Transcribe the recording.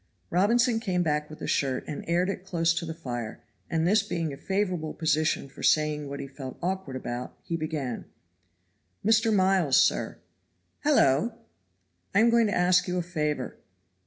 Robinson came back with the shirt, and aired it close to the fire; and this being a favorable position for saying what he felt awkward about, he began: "Mr. Miles, sir." "Hallo!" "I am going to ask you a favor."